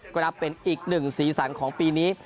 ก็นับเป็นอีกหนึ่งสีสันของปีนี้